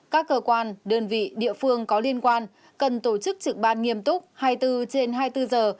các cơ quan đơn vị địa phương có liên quan cần tổ chức trực ban nghiêm túc hai mươi bốn trên hai mươi bốn giờ